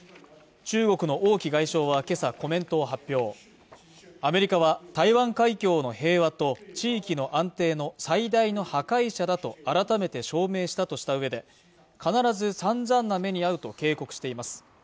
中国の大き外相はけさコメントを発表しアメリカは台湾海峡の平和と地域の安定の最大の破壊者だと改めて証明したとしたうえで必ず散々な目に遭うと警告しています